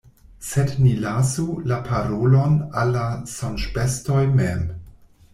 Sed ni lasu la parolon al la Sonĝbestoj mem.